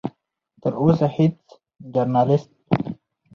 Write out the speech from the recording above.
او تر اوسه هیڅ ژورنالست